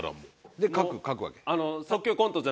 で書く書くわけ？